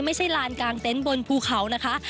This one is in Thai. ไม่ใช่ลานกลางเต้นบนภูเขานะคะ